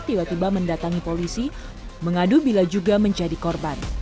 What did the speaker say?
tiba tiba mendatangi polisi mengadu bila juga menjadi korban